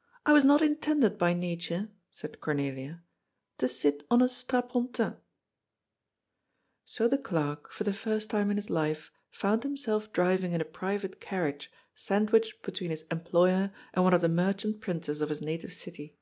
" I was not intended by nature," said Cornelia, " to sit on a strapontin." So the clerk, for the first time in his life, found himself driving in a private carriage, sandwiched between his em ployer and one of the merchant princes of his native city.